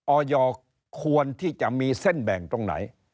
ออยควรที่จะมีเส้นแบ่งตรงไหน